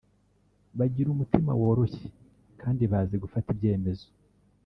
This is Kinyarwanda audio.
bagira umutima woroshye kandi bazi gufata ibyemezo